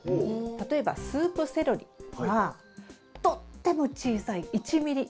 例えばスープセロリはとっても小さい１ｍｍ以下。